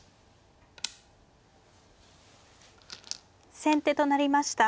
先手となりました